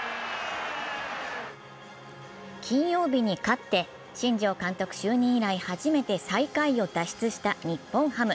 金曜日に勝って、新庄監督就任以来初めて最下位を脱出した日本ハム。